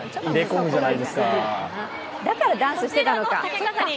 だからダンスしてたのか。